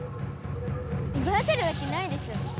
うばわせるわけないでしょ！